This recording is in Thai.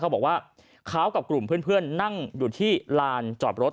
บอกว่าเขากับกลุ่มเพื่อนนั่งอยู่ที่ลานจอดรถ